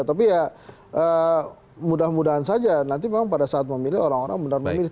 tapi ya mudah mudahan saja nanti memang pada saat memilih orang orang benar memilih